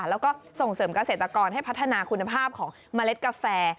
แล้วก็ส่งเสริมเกษตรกรให้พัฒนาคุณภาพของเมล็ดกาแฟ